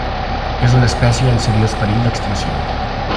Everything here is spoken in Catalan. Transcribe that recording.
És una espècie en seriós perill d'extinció.